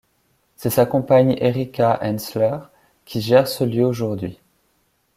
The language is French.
C'est sa compagne Erica Hänssler qui gère ce lieu aujourd'hui.